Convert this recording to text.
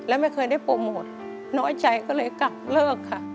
และไม่เคยได้โปรโมทน้อยใจก็เลยกักเลิกค่ะ